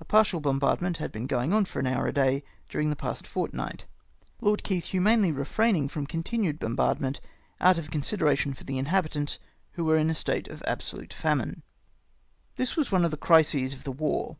A partial bombardment had been going on for an horn* a day, during the past fortnight, Lord Keith humanely refraining from con tinued bombardment, out of consideration for the inhabitants, who were in a state of absolute famine." This was one of the crises of the war.